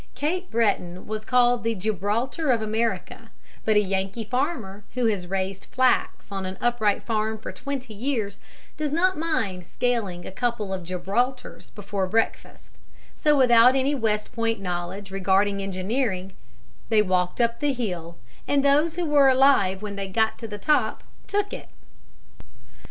Cape Breton was called the Gibraltar of America; but a Yankee farmer who has raised flax on an upright farm for twenty years does not mind scaling a couple of Gibraltars before breakfast; so, without any West Point knowledge regarding engineering, they walked up the hill, and those who were alive when they got to the top took it.